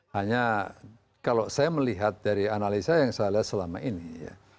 hanya kalau saya melihat dari analisa yang saya lihat selama ini ya